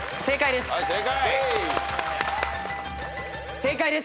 正解です！